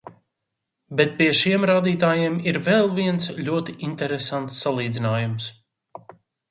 Bet pie šiem rādītājiem ir vēl viens ļoti interesants salīdzinājums.